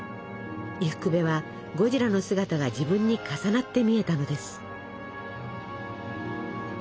伊福部はゴジラの姿が自分に重なって見えたのです。